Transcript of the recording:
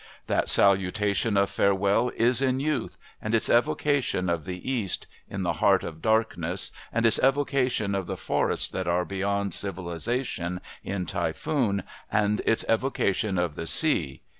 That salutation of farewell is in Youth and its evocation of the East, in The Heart of Darkness and its evocation of the forests that are beyond civilisation, in Typhoon and its evocation of the sea.